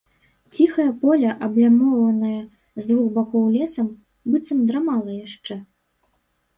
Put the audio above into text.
Ціхае поле, аблямованае з двух бакоў лесам, быццам драмала яшчэ.